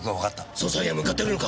捜査員は向かっているのか？